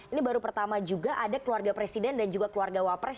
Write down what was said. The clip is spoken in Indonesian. ini baru pertama juga ada keluarga presiden dan juga keluarga wapres